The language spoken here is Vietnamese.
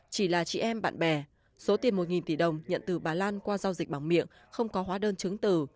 chỉ là chị em bạn bè số tiền một tỷ đồng nhận từ bà lan qua giao dịch bằng miệng không có hóa đơn chứng từ